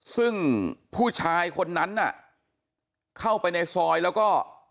ซึ่งผู้ชายคนนั้นน่ะเข้าไปในซอยแล้วก็